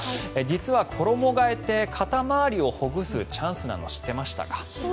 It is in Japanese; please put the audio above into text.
実は衣替えって肩回りをほぐすチャンスなの知ってましたか？